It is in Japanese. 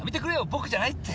僕じゃないって。